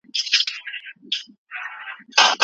ولې د ټولنیزو ارزښتونو ماتول مه کوې؟